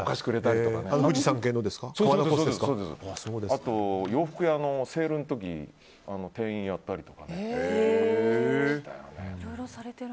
あとは洋服屋のセールの時に店員をやったりとかしたね。